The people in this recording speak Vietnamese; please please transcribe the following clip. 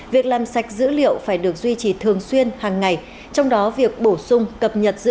việc làm sạch dữ liệu phải được duy trì thường xuyên hàng ngày trong đó việc bổ sung cập nhật dữ